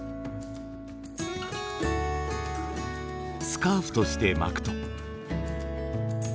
スカーフとして巻くと。